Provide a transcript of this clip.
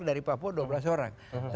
dari papua dua belas orang